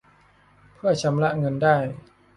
เพื่อชำระเงินได้